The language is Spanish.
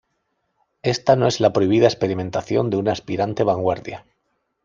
Esta no es la prohibida experimentación de una aspirante vanguardia.